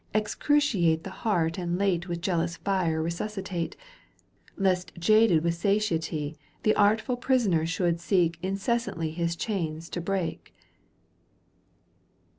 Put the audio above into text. Excruciate the heart and late With jealous fire resuscitate. Lest jaded with satiety, The artful prisoner should seek Incessantly his chains to break."